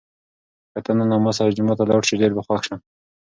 که ته نن له ما سره جومات ته لاړ شې، ډېر به خوښ شم.